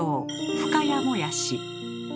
「深谷もやし」。